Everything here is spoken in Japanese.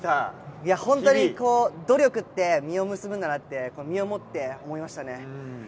いや、本当に努力って実を結ぶんだなって、身をもって思いましたね。